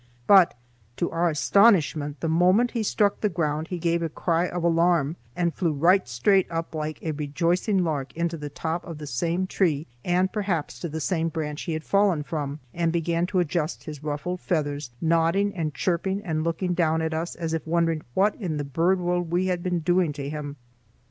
But to our astonishment the moment he struck the ground he gave a cry of alarm and flew right straight up like a rejoicing lark into the top of the same tree, and perhaps to the same branch he had fallen from, and began to adjust his ruffled feathers, nodding and chirping and looking down at us as if wondering what in the bird world we had been doing to him.